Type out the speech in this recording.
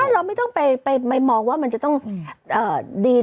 เราไม่ต้องไปมองว่ามันจะต้องดี